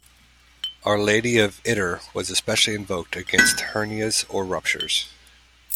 Our Lady of Ittre was especially invoked against hernias or ruptures.